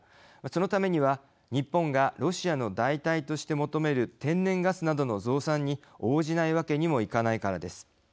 そのためには日本がロシアの代替として求める天然ガスなどの増産に応じないわけにもいかないからです。